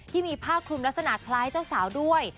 ที่มีผ้าคลุมลักษณะคล้ายเจ้าสาวด้วย